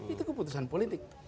itu keputusan politik